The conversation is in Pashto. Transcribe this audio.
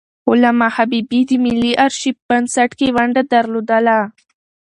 علامه حبيبي د ملي آرشیف بنسټ کې ونډه درلودله.